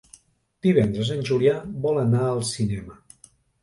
Divendres en Julià vol anar al cinema.